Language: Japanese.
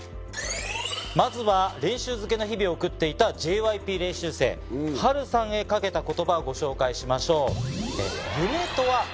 まずは練習漬けの日々を送っていたＪＹＰ練習生ハルさんへ掛けた言葉をご紹介しましょう。